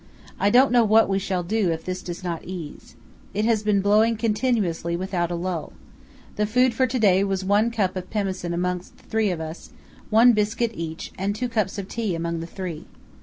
I don't know what we shall do if this does not ease. It has been blowing continuously without a lull. The food for to day was one cup of pemmican amongst three of us, one biscuit each, and two cups of tea among the three."